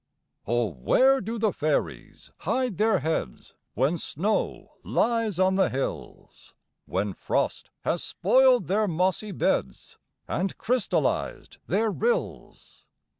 Oh ! where do fairies hide their heads, When snow lies on the hills, When frost has spoiled their mossy beds, And crystallized their rills?